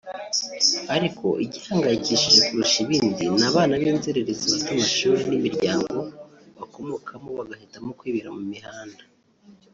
ariko igihangayikishije kurusha ibindi ni abana b’inzererezi bata amashuri n’imiryango bakomokamo bagahitamo kwibera mu mihanda